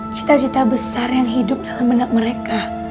cita cita besar yang hidup dalam benak mereka